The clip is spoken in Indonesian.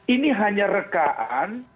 ini hanya rekaan